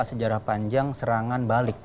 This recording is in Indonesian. sejarah panjang serangan balik